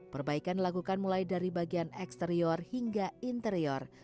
perbaikan dilakukan mulai dari bagian eksterior hingga interior